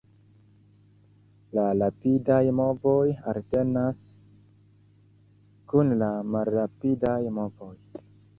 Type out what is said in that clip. La rapidaj movoj alternas kun la malrapidaj movoj.